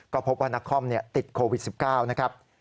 ก็พบว่านักคอมติดโควิด๑๙นะครับ